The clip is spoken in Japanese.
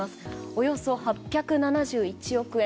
およそ８７１億円。